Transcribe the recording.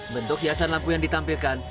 bentuk hiasan lampu yang ditampilkan